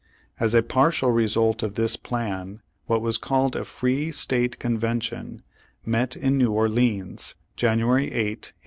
As a partial result of this plan, what was called a Free State Convention met in New Orleans, January 8, 1864.